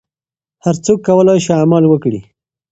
هر څوک کولای شي عمل وکړي.